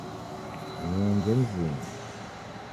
Nienje mzinyi